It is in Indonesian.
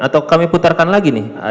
atau kami putarkan lagi nih